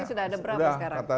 ini sudah ada berapa sekarang